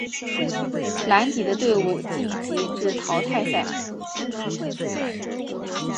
蓝底的队伍晋级至淘汰赛。